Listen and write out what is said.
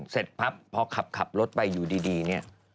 เสร็จปั๊บพอขับรถไปอยู่ดีเนี่ย